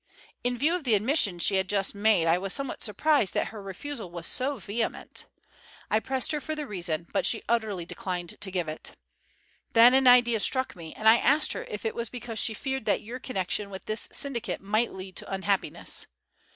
In view of the admission she had just made, I was somewhat surprised that her refusal was so vehement. I pressed her for the reason, but she utterly declined to give it. Then an idea struck me, and I asked her if it was because she feared that your connection with this syndicate might lead to unhappiness.